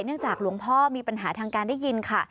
จากหลวงพ่อมีปัญหาทางการได้ยินค่ะ